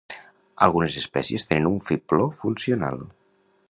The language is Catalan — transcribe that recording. Algunes espècies tenen un fibló funcional.